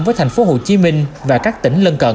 với tp hcm và các tỉnh lân cận